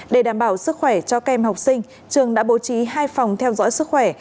để đảm bảo sức khỏe cho các em học sinh trường đã bố trí hai phòng theo dõi sức khỏe